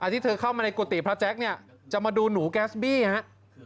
ที่เธอเข้ามาในกุฏิพระแจ๊คเนี่ยจะมาดูหนูแก๊สบี้ครับ